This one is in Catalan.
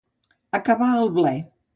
Acabar el ble.